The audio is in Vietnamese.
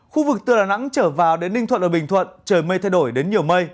khu vực từ đà nẵng trở vào đến ninh thuận ở bình thuận trời mây thay đổi đến nhiều mây